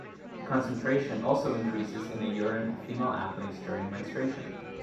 Concentration also increases in the urine of female athletes during menstruation.